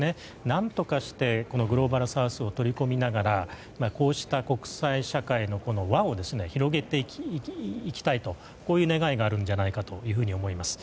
何とかしてグローバルサウスを取り込みながらこうした国際社会の輪を広げていきたいという願いがあるんじゃないかと思います。